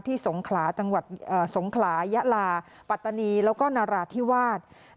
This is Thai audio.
ที่สงขลายะลาปัตตานีแล้วก็นาราธิวาส